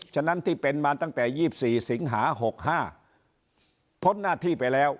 ฉะนั้นที่เป็นมาตั้งแต่๒๔สิงหา๖๕พ้นหน้าที่ไปแล้ว